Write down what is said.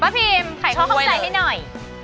ป้าพิมข่ายคอเข้าใกล้ให้หน่อย